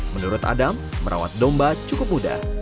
menurut adam merawat domba cukup mudah